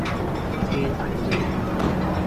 車仔麪